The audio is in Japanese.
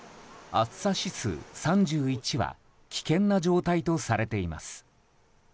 暑さ指数３１は危険な状態とされています。